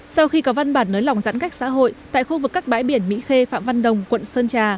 sau khi có văn bản nới lỏng giãn cách xã hội tại khu vực các bãi biển mỹ khê phạm văn đồng quận sơn trà